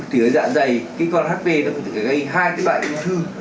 thì cái dạ dày cái con hp nó có thể gây hai loại ung thư